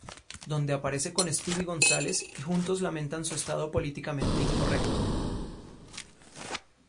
Donde aparece con Speedy Gonzales y juntos lamentan su estado políticamente incorrecto.